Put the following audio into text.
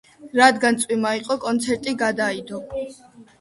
რადგან წვიმა იყო კონცერტი გადაიდო